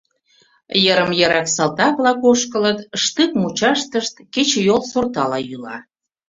Йырым-йырак салтак-влак ошкылыт, штык мучаштышт кечыйол сортала йӱла...